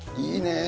いいね。